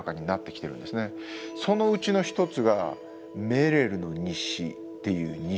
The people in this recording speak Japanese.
そのうちの一つが「メレルの日誌」っていう日誌。